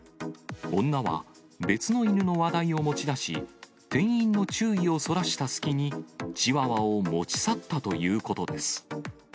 女は別の犬の話題を持ち出し、店員の注意をそらした隙にチワワを持ち去ったということです。